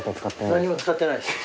何も使ってないです。